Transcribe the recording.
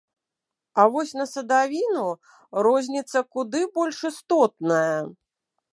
А вось на садавіну розніца куды больш істотная.